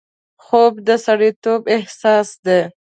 خوب د سړیتوب اساس دی